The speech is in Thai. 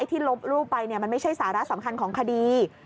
ลบรูปไปมันไม่ใช่สาระสำคัญของคดี